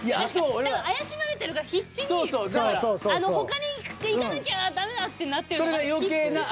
怪しまれてるから必死に他にいかなきゃダメだってなってるのが必死すぎて。